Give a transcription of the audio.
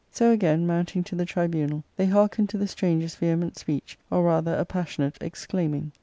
So again mounting to the tribunal, they hearkened to the stranger's vehement speech, or rather appassionate* exclaiming.